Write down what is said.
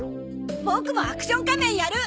ボクもアクション仮面やる！